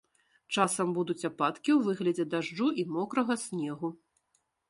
Часам будуць ападкі ў выглядзе дажджу і мокрага снегу.